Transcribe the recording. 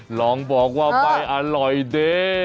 ลองบอกว่าไม่อร่อยเด้